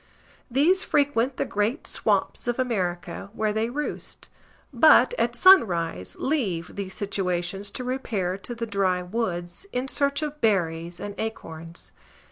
These frequent the great swamps of America, where they roost; but, at sunrise, leave these situations to repair to the dry woods, in search of berries and acorns.